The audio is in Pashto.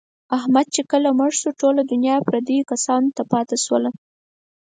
احمد چې کله مړ شو، ټوله دنیا یې پردیو کسانو ته پاتې شوله.